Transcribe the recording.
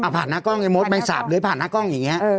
ผ่านหน้ากล้องไงมดแมงสาบเลื้อยผ่านหน้ากล้องอย่างนี้